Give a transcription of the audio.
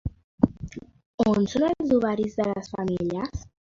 On són els ovaris de les femelles?